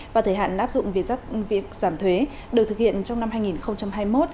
và thời hạn áp dụng việc giảm thuế được thực hiện trong năm hai nghìn hai mươi một